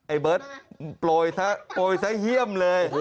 ไอ้เบิร์ทโปรยซะเยี่ยมเลย